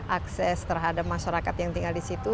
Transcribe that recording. akses terhadap masyarakat yang tinggal disitu